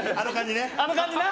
あの感じな！